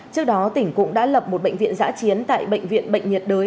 trước đó tỉnh cũng đã lập một bệnh viện giã chiến tại bệnh viện bệnh nhiệt đới